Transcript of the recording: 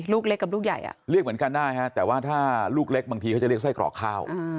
ลูกเล็กกับลูกใหญ่อ่ะเรียกเหมือนกันได้ฮะแต่ว่าถ้าลูกเล็กบางทีเขาจะเรียกไส้กรอกข้าว